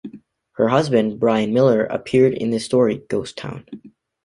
Her husband, Brian Miller, appeared in the story "Ghost Town".